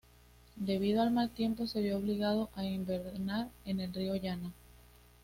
Debido al mal tiempo se vio obligado a invernar en el río Yana.